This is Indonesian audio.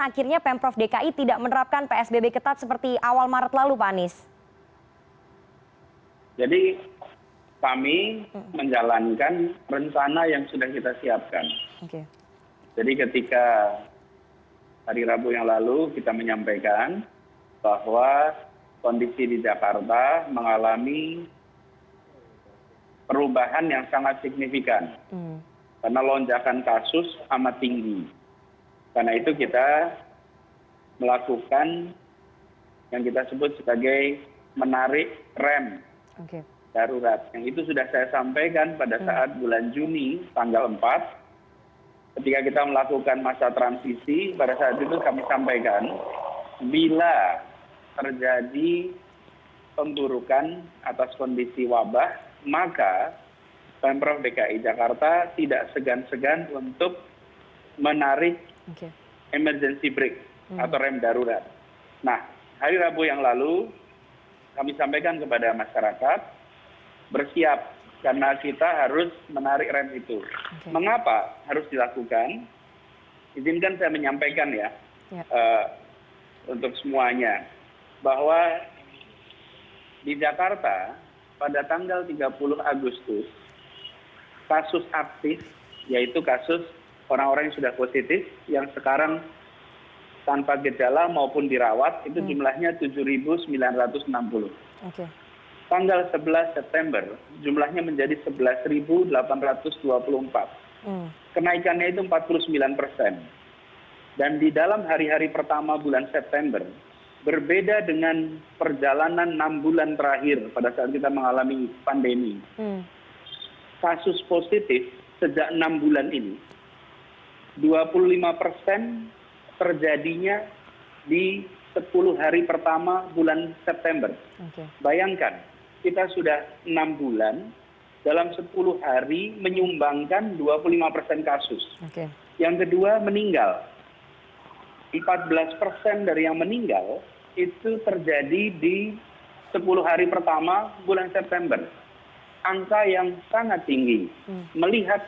ketika psbb dilakukan di tanggal sepuluh april itu resminya psbb tidak ada sikm